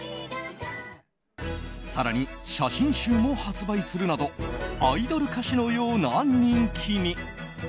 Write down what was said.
更に、写真集も発売するなどアイドル歌手のような人気に。